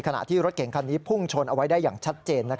ขณะที่รถเก่งคันนี้พุ่งชนเอาไว้ได้อย่างชัดเจน